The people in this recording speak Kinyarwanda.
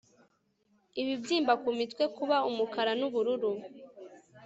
Ibibyimba ku mitwe kuba umukara nubururu